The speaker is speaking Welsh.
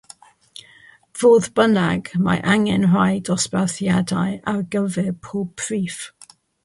Fodd bynnag, mae angen rhai dosbarthiadau ar gyfer pob prif.